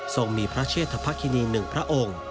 ส่งมีพระเชษฐภคินี๑พระองค์